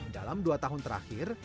dalam dua tahun terakhir